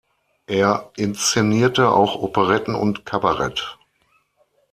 Er inszenierte auch Operetten und Kabarett.